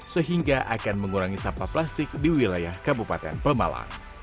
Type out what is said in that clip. sehingga akan mengurangi sampah plastik di wilayah kabupaten pemalang